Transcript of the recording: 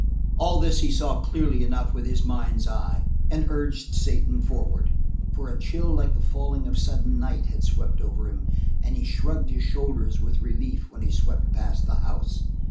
All this he saw clearly enough with his mind's eye, and urged Satan forward. For a chill like the falling of sudden night had swept over him, and he shrugged his shoulders with relief when he swept past the house.